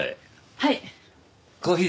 はい。